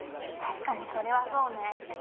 確かにそれはそうね。